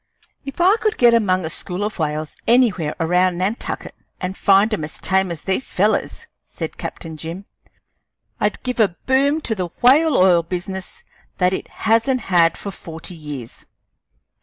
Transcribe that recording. "If I could get among a school of whales anywhere around Nantucket and find 'em as tame as these fellers," said Captain Jim, "I'd give a boom to the whale oil business that it hasn't had for forty years."